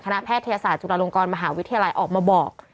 แพทยศาสตร์จุฬาลงกรมหาวิทยาลัยออกมาบอก